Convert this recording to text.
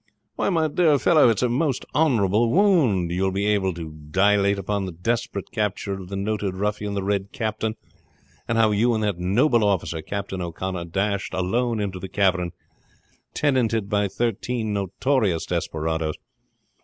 "Why, my dear fellow, it's a most honorable wound. You will be able to dilate upon the desperate capture of the noted ruffian the Red Captain, and how you and that noble officer Captain O'Connor dashed alone into the cavern, tenanted by thirteen notorious desperadoes.